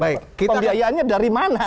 pembiayaannya dari mana